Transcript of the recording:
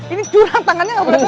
ini curang tangannya nggak boleh kena